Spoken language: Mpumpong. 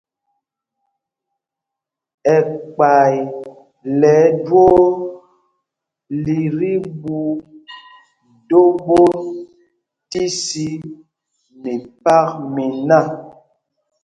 Ɛkpay lɛ ɛjwoo li tí ɛɓu do ɓot tí sī ndol mipak miná.